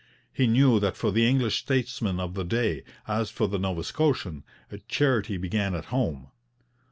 He knew that for the English statesman of the day, as for the Nova Scotian, charity began at home.